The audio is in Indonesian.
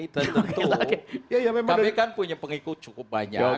tentu kami kan punya pengikut cukup banyak